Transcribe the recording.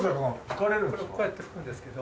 これこうやって吹くんですけど。